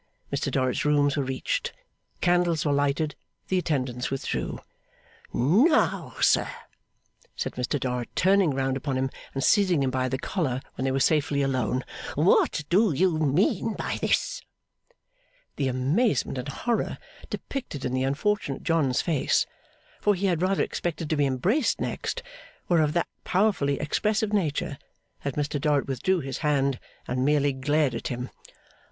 Mr Dorrit's rooms were reached. Candles were lighted. The attendants withdrew. 'Now, sir,' said Mr Dorrit, turning round upon him and seizing him by the collar when they were safely alone. 'What do you mean by this?' The amazement and horror depicted in the unfortunate John's face for he had rather expected to be embraced next were of that powerfully expressive nature that Mr Dorrit withdrew his hand and merely glared at him.